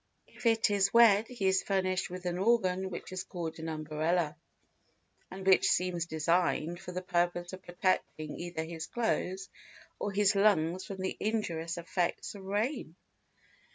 If it is wet he is furnished with an organ which is called an umbrella and which seems designed for the purpose of protecting either his clothes or his lungs from the injurious effects of rain.